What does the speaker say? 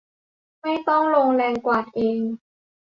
ไม่ต้องลงแรงกวาดเอง